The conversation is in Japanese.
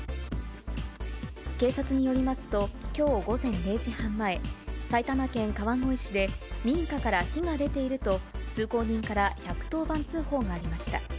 警察によりますと、きょう午前０時半前、埼玉県川越市で民家から火が出ていると、通行人から１１０番通報がありました。